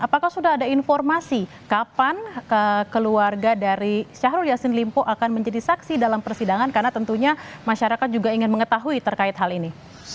apakah sudah ada informasi kapan keluarga dari syahrul yassin limpo akan menjadi saksi dalam persidangan karena tentunya masyarakat juga ingin mengetahui terkait hal ini